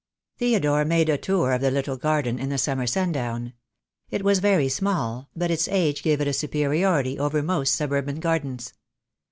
Theodore made a tour of the little garden in the summer sundown. It was very small, but its age gave it a superiority over most suburban gardens.